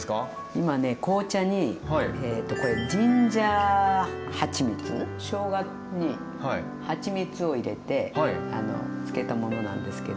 今ね紅茶にこれしょうがにはちみつを入れて漬けたものなんですけど。